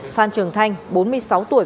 phan trường thanh bốn mươi sáu tuổi